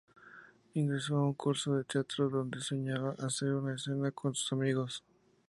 Ingresó a un curso de teatro, donde soñaba hacer una escena con sus amigos.